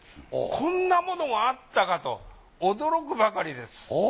こんなものがあったかと驚くばかりです。